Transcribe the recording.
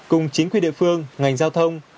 cùng chính quy địa phương ngành giao thông